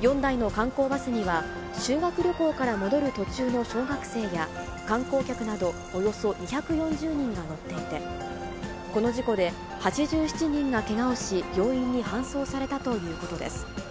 ４台の観光バスには、修学旅行から戻る途中の小学生や、観光客などおよそ２４０人が乗っていて、この事故で８７人がけがをし、病院に搬送されたということです。